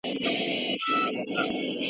رباب او سارنګ ژبه نه لري.